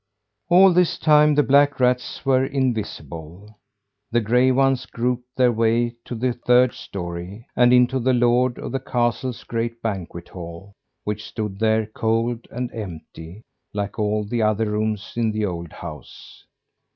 All this time the black rats were invisible. The gray ones groped their way to the third story, and into the lord of the castle's great banquet hall which stood there cold and empty, like all the other rooms in the old house.